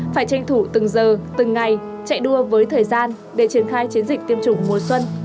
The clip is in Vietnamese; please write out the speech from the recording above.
phải tranh thủ từng giờ từng ngày chạy đua với thời gian để triển khai chiến dịch tiêm chủng mùa xuân